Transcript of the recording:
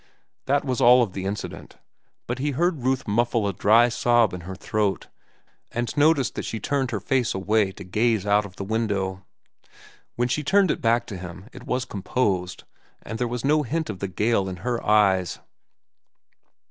That was all of the incident, but he heard Ruth muffle a dry sob in her throat, and noticed that she turned her face away to gaze out of the window. When she turned it back to him, it was composed, and there was no hint of the gale in her eyes.